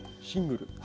シングル？